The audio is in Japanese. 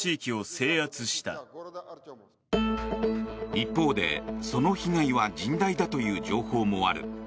一方で、その被害は甚大だという情報もある。